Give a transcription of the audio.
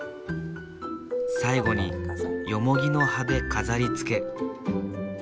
最後によもぎの葉で飾りつけ。